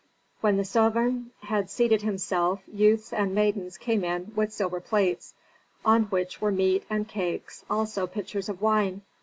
When the sovereign had seated himself youths and maidens came in with silver plates, on which were meat and cakes, also pitchers of wine.